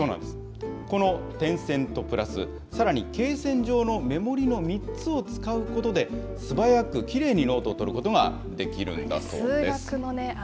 この点線とプラス、さらにけい線上の目盛りの３つを使うことで、素早くきれいにノートを取ることができるんだそうです。